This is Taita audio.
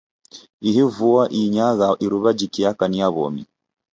Ihi vua inyagha iruwa jikiaka ni ya w'omi.